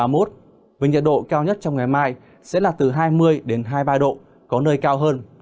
với nhiệt độ cao nhất trong ngày mai sẽ là từ hai mươi hai mươi ba độ có nơi cao hơn